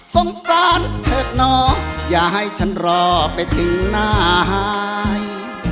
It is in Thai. สงสารเถิดน้องอย่าให้ฉันรอไปถึงหน้าหาย